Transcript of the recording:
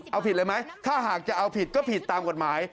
เอาผิดเลยไหมถ้าหากจะเอาผิดก็ผิดตามกฎหมาย